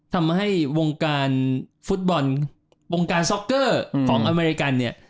ทำให้วงการฟุตบอลวงการซ็อกเกอร์ของอเมริกันเนี่ย